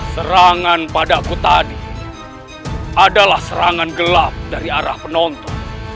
serangan padaku tadi adalah serangan gelap dari arah penonton